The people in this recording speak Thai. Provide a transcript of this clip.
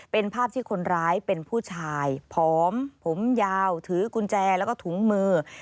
เป็นภาพที่คนร้ายเป็นผู้ชายผอมผมยาวถือกุญแจแล้วก็ถุงมือ